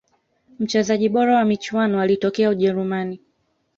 mchezaji bora wa michuano alitokea ujerumani